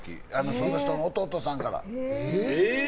その人の弟さんから。